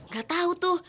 gak tahu tuh